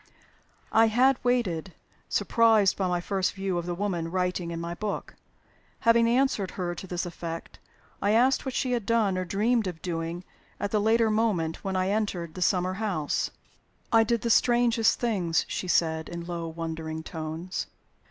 I had waited, surprised by my first view of the woman writing in my book. Having answered her to this effect, I asked what she had done or dreamed of doing at the later moment when I entered the summer house. "I did the strangest things," she said, in low, wondering tones.